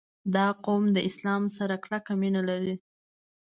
• دا قوم د اسلام سره کلکه مینه لري.